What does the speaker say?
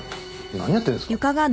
何やってるんですか？